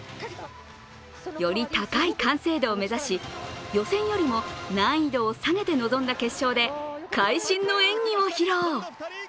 より高い完成度を目指し、予選よりも難易度を下げて臨んだ決勝で会心の演技を披露。